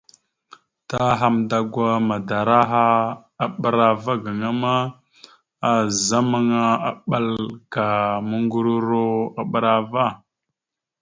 Ta Hamndagwa madara aha a ɓəra ava gaŋa ma, azamaŋa aɓal ka muŋgəruro a ɓəra ava.